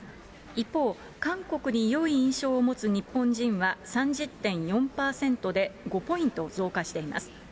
一方、韓国に良い印象を持つ日本人は３０．４％で、５ポイント増加しています。